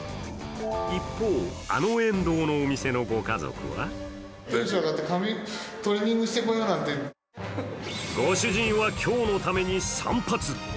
一方、あの沿道のお店のご家族はご主人は今日のために散髪。